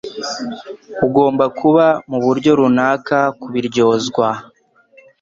Ugomba kuba muburyo runaka kubiryozwa.